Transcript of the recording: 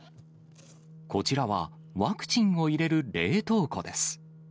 こちらはワクチンを入れる冷凍庫です。